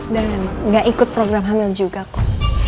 dan gak ikut program hamil juga kok